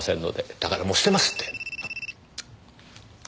だからもうしてますって。